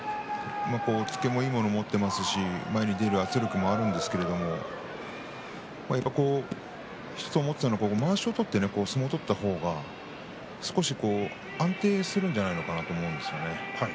押っつけもいいものを持っていますし前に出る圧力もあるんですがやっぱり、まわしを取って相撲を取った方が少し安定するんじゃないかなと思うんですよね。